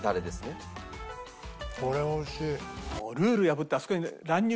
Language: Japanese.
これおいしい！